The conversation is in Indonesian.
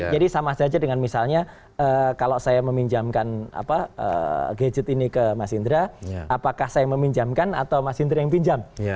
jadi sama saja dengan misalnya kalau saya meminjamkan gadget ini ke mas indra apakah saya meminjamkan atau mas indra yang pinjam